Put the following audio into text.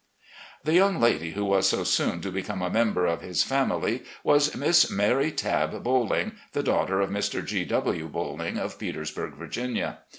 The young lady who was so soon to become a member of his family was Miss Mary Tabb Bolling, the daughter of Mr. G. W. Bolling, of Petersburg, Virginia.